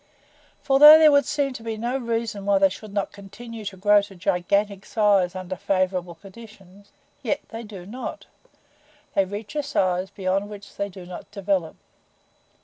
For although there would seem to be no reason why they should not continue to grow to gigantic size under favorable conditions yet they do not. They reach a size beyond which they do not develop.